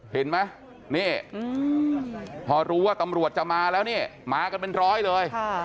เห็นไหมนี่พอรู้ว่าตำรวจจะมาแล้วนี่มากันเป็นร้อยเลย